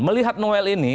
melihat noel ini